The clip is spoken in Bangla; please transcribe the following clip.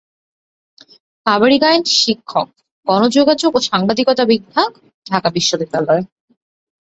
কাবেরী গায়েন শিক্ষক, গণযোগাযোগ ও সাংবাদিকতা বিভাগ, ঢাকা বিশ্ববিদ্যালয়।